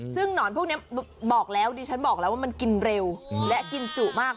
ซึ่งหนอนพวกนี้บอกแล้วดิฉันบอกแล้วว่ามันกินเร็วและกินจุมาก